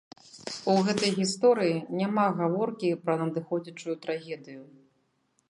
У гэтай гісторыі няма гаворкі пра надыходзячую трагедыю.